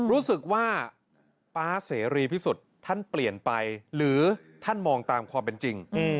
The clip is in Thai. รู้สึกว่าป๊าเสรีพิสุทธิ์ท่านเปลี่ยนไปหรือท่านมองตามความเป็นจริง